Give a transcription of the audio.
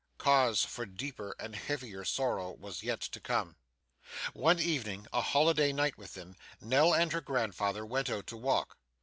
Cause for deeper and heavier sorrow was yet to come. One evening, a holiday night with them, Nell and her grandfather went out to walk.